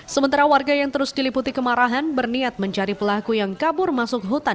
sementara warga yang terus diliputi kemarahan berniat mencari pelaku yang kabur masuk hutan